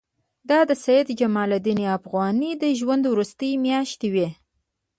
دا د سید جمال الدین افغاني د ژوند وروستۍ میاشتې وې.